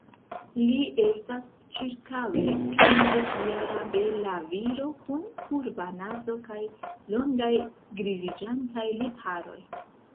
Li estas ĉirkaŭe kvindekjara, bela viro kun kurba nazo kaj longaj griziĝantaj lipharoj.